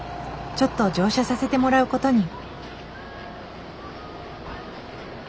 ちょっと乗車させてもらうことに。